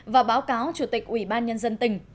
và báo cáo chủ tịch ủy ban nhân dân tỉnh